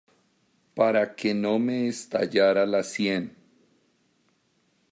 para que no me estallara la sien.